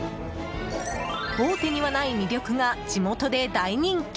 大手にはない魅力が地元で大人気。